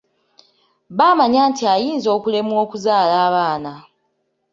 Bamanya nti ayinza okulemwa okuzaala abaana.